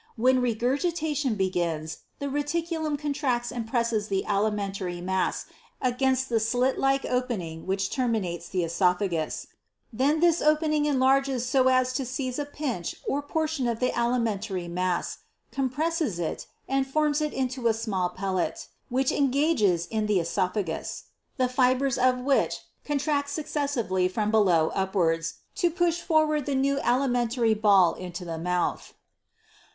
When regurgitation begins, the reticulum contracts and presses the alimentary mass against the slit like opening which terminates the oesophagus ; then this opening enlarges so as to seize a pinch or portion of the alimentary mass, compresses it and forms it into a small pellet which engages in the oesophagus, the fibres of which contract successively from below upwards, to push for ward the new alimentary ball into the mouth.